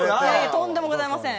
とんでもございません。